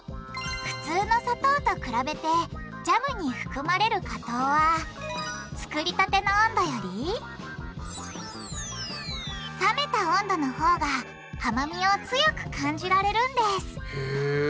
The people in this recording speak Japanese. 普通の砂糖と比べてジャムに含まれる果糖は作りたての温度より冷めた温度のほうが甘みを強く感じられるんですへぇ。